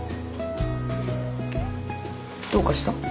どうかした？